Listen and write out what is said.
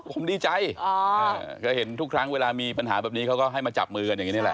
ผมดีใจก็เห็นทุกครั้งเวลามีปัญหาแบบนี้เขาก็ให้มาจับมือกันอย่างนี้นี่แหละ